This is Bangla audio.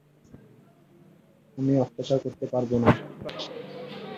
আমি অত্যাচার করতে পারব না।